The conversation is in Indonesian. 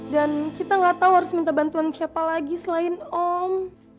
dan kita nggak tahu harus minta bantuan siapa lagi selain om